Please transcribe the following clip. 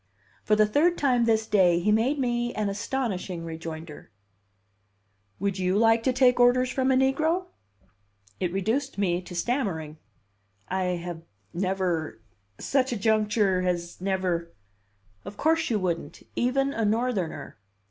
For the third time this day he made me an astonishing rejoinder: "Would you like to take orders from a negro?" It reduced me to stammering. "I have never such a juncture has never " "Of course you wouldn't. Even a Northerner!"